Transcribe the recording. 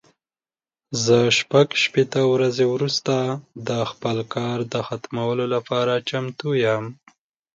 زه شپږ شپېته ورځې وروسته د خپل کار د ختمولو لپاره چمتو یم.